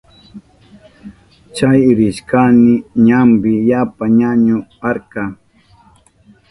Chay rishkayni ñampi yapa ñañu karka.